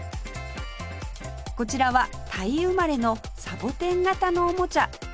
こちらはタイ生まれのサボテン形のおもちゃ